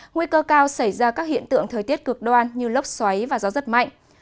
nguy cơ cao xảy ra các hiện tượng thời tiết cực đoan như lốc xoáy và gió rất mạnh